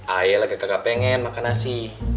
ayah lagi kagak pengen makan nasi